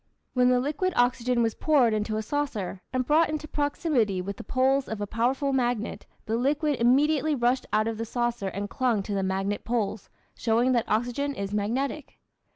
When the liquid oxygen was poured into a saucer and brought into proximity with the poles of a powerful magnet the liquid immediately rushed out of the saucer and clung to the magnet poles; showing that oxygen is magnetic.